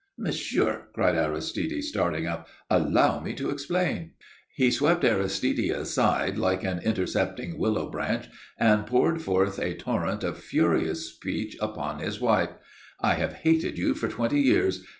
"Monsieur," cried Aristide, starting up, "allow me to explain." He swept Aristide aside like an intercepting willow branch, and poured forth a torrent of furious speech upon his wife. "I have hated you for twenty years.